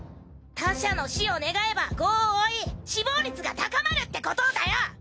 他者の死を業を負い死亡率が高まるってことをだよ！